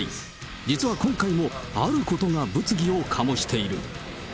実は今回も、あることが物議を醸している。